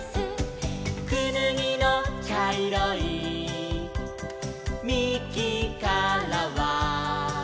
「くぬぎのちゃいろいみきからは」